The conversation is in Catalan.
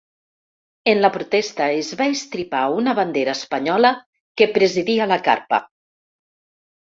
En la protesta, es va estripar una bandera espanyola que presidia la carpa.